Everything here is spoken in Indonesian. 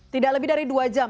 tidak lebih dari dua jam